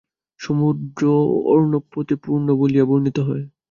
সমুদ্র অর্ণবপোতে পূর্ণ বলিয়া বর্ণিত হয়।